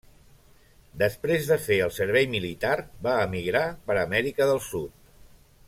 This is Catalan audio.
Després de fer el servei militar va emigrar per Amèrica del Sud.